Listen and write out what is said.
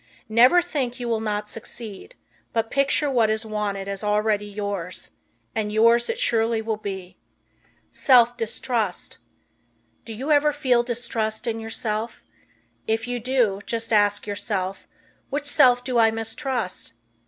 Never think you will not succeed, but picture what is wanted as already yours, and yours it surely will be. Self Distrust. Do you ever feel distrust in yourself? If You do, just ask yourself, which self do I mistrust?